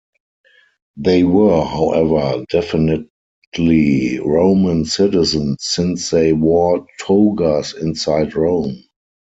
They were, however, definitely Roman citizens, since they wore togas inside Rome.